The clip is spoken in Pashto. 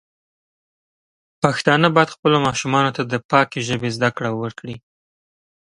پښتانه بايد خپلو ماشومانو ته د پاکې ژبې زده کړه ورکړي.